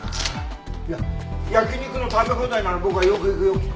いや焼き肉の食べ放題なら僕はよく行くよ。